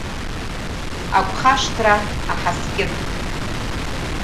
Агәхашҭра аҳаскьын…